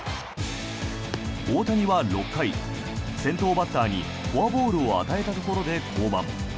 大谷は６回、先頭バッターにフォアボールを与えたところで降板。